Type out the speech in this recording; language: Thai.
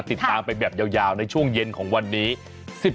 ติดตามไปแบบยาวในช่วงเย็นของวันนี้